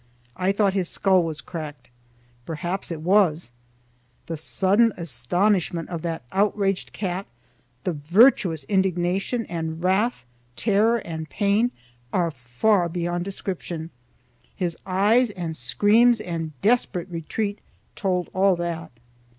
I thought his skull was cracked. Perhaps it was. The sudden astonishment of that outraged cat, the virtuous indignation and wrath, terror, and pain, are far beyond description. His eyes and screams and desperate retreat told all that.